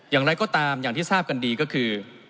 อย่างไรก็ตามอย่างที่ทราบกันดีก็คือ